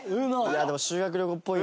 「でも修学旅行っぽいな」